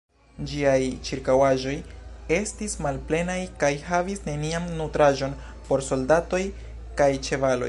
Ĝiaj ĉirkaŭaĵoj estis malplenaj kaj havis nenian nutraĵon por soldatoj kaj ĉevaloj.